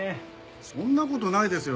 そんな事ないですよ